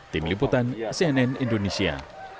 tim liputan cnn indonesia